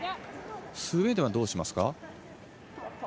スウェーデンはどうしますか？